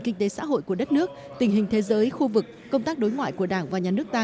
kinh tế xã hội của đất nước tình hình thế giới khu vực công tác đối ngoại của đảng và nhà nước ta